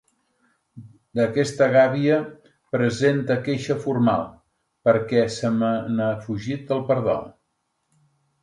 D'aquesta gàbia presente queixa formal, perquè se me n'ha fugit el pardal!